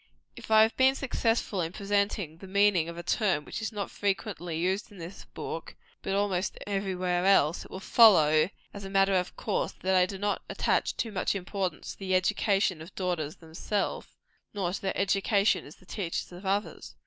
If I have been successful in presenting the meaning of a term which is not only frequently used in this book, but almost every where else, it will follow, as a matter of course, that I do not attach too much importance to the education of daughters themselves, nor to their education as the teachers of others.